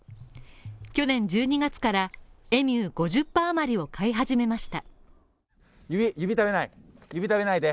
去年１２月からエミューを５０羽余り飼い始めました。